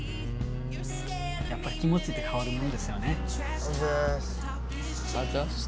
やっぱ気持ちって変わるもんですよね。